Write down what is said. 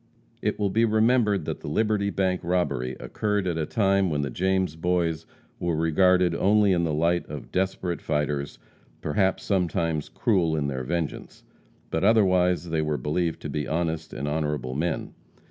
It will be remembered that the Liberty bank robbery occurred at a time when the James Boys were regarded only in the light of "desperate fighters perhaps sometimes cruel in their vengeance," but otherwise they were believed to be honest and honorable men.